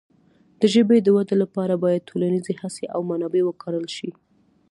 د ژبې د وده لپاره باید ټولنیزې هڅې او منابع وکارول شي.